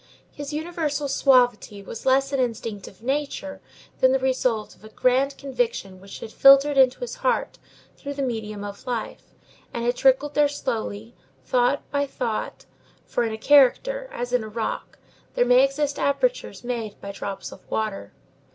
His universal suavity was less an instinct of nature than the result of a grand conviction which had filtered into his heart through the medium of life, and had trickled there slowly, thought by thought; for, in a character, as in a rock, there may exist apertures made by drops of water.